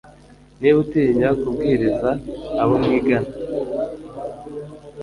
niba utinya kubwiriza abo mwigana